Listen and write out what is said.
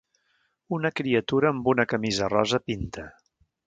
Una criatura amb una camisa rosa pinta.